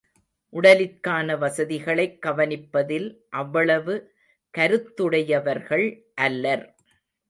உடலிற்கான வசதிகளைக் கவனிப்பதில் அவ்வளவு கருத்துடையவர்கள் அல்லர்.